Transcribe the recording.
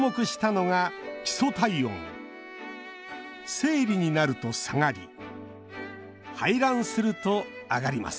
生理になると下がり排卵すると上がります。